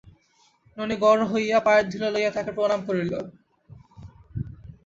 ননি গড় হইয়া পায়ের ধুলা লইয়া তাঁহাকে প্রণাম করিল।